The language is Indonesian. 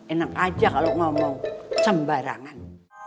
enak aja kalau ngomong sembarangan